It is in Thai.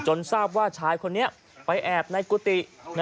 ทราบว่าชายคนนี้ไปแอบในกุฏิ